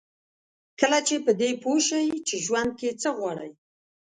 کله چې په دې پوه شئ چې ژوند کې څه غواړئ.